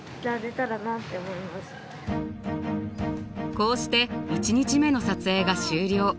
こうして１日目の撮影が終了。